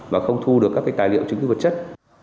và không thu được các cái tài liệu chứng cứ vật chất